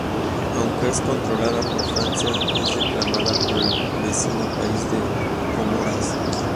Aunque es controlada por Francia es reclamada por el vecino país de Comoras.